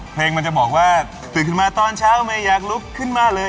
เพลงมันจะบอกว่าตื่นขึ้นมาตอนเช้าไม่อยากลุกขึ้นมาเลย